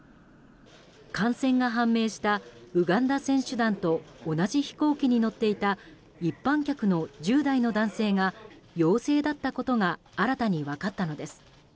感染が判明したウガンダ選手団と同じ飛行機に乗っていた一般客の１０代の男性が陽性だったことが新たに分かったのです。